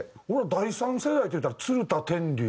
第３世代っていうたら鶴田天龍。